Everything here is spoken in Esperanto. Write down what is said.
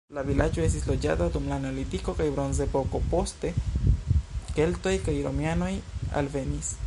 La vilaĝo estis loĝata dum la neolitiko kaj bronzepoko, poste keltoj kaj romianoj alvenis.